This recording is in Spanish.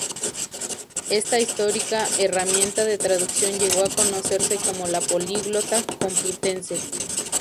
Esta histórica herramienta de traducción llegó a conocerse como la Políglota complutense.